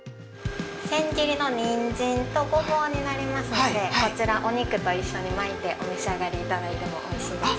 千切りの人参とごぼうになりますので、こちら、お肉と一緒に巻いてお召し上がりいただいてもおいしいです。